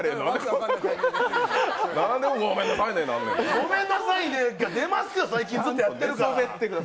ごめんなさいねぇが出ますよ、最近ずっとやってるから。